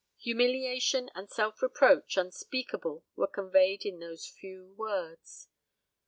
Humiliation and self reproach unspeakable were conveyed in those few words.